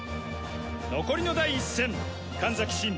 残りの第１戦神崎シン